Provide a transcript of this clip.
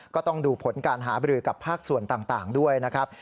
ก็ต้องดูผลการหาบรือกับภาคส่วนต่างด้วยนะครับ